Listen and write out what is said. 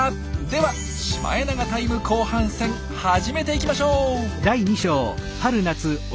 ではシマエナガタイム後半戦始めていきましょう！